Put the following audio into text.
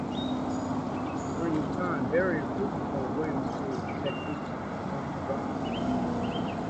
During his time Berry improved upon William Marwood's technique of the long drop.